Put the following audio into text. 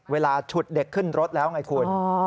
ฉุดเด็กขึ้นรถแล้วไงคุณ